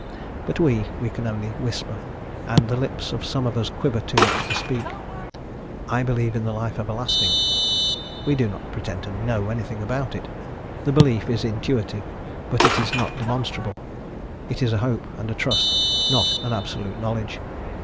But we, we can only, whisper and the lips of some of us quiver too much to speak "I believe in the life everlasting." We do not pretend to know anything about it; the belief is intuitive, but is not demonstrable; it is a hope and a trust, not an absolute knowledge.